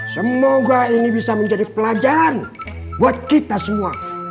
semoga ini bisa menjadi pelajaran buat kita semua